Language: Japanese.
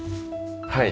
はい。